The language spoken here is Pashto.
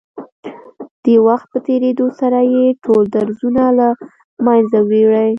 د وخت په تېرېدو سره يې ټول درځونه له منځه وړي.